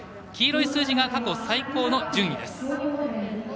黄色い数字が過去最高の順位です。